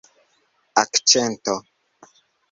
akĉento